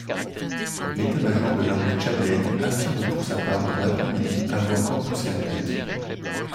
L'état-major de l'armée tchadienne affirme pour sa part dans l'après-midi avoir repoussé l'attaque.